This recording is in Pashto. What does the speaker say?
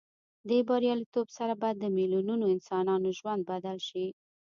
دې بریالیتوب سره به د میلیونونو انسانانو ژوند بدل شي.